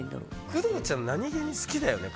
工藤ちゃん、何気に好きだよね。